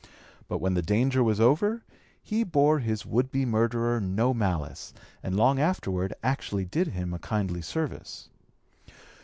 But when the danger was over he bore his would be murderer no malice, and long afterward actually did him a kindly service.